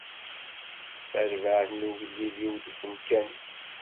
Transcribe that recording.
Tarbaɛt n ugellid-iw deg umkan-is.